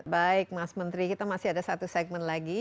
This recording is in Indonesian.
baik mas menteri kita masih ada satu segmen lagi